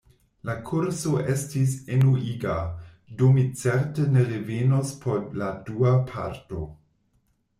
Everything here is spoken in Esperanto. La kurso estis enuiga, do mi certe ne revenos por la dua parto.